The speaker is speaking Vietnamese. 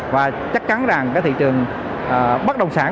và chắc chắn rằng thị trường bất động sản